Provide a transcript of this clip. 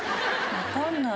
分かんない。